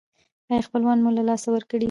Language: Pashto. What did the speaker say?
ایا خپلوان مو له لاسه ورکړي؟